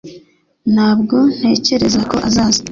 Ntabwo ntekereza ko azaza